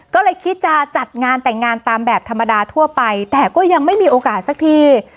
ก็เลยคิดจะจัดงานแต่งงานตามแบบธรรมดาทั่วไปแต่ก็ยังไม่มีโอกาสสักที